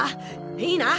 いいな！